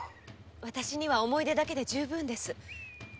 私には思い出だけで十分です。